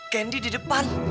candy di depan